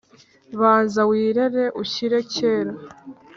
banza wirere ushyire kera,